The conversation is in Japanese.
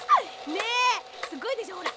ねえすっごいでしょほら。